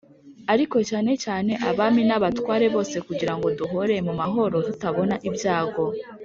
ariko cyane cyane abami n’abatware bose kugira ngo duhore mu mahoro tutabona ibyago